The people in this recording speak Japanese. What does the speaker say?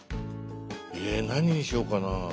え何にしようかな。